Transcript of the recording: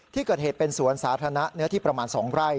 ที่เกิดเหตุเป็นสวนสาธารณะเนื้อที่ประมาณ๒ไร่